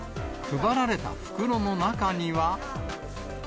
配られた袋の中には。